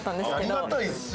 ありがたいですよ